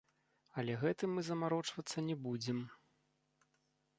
Але гэтым мы замарочвацца не будзем.